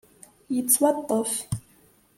Yettwaṭṭef.